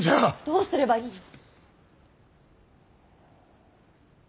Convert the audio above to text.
どうすればいいの。